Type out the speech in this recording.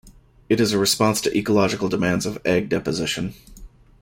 It is a response to ecological demands of egg deposition.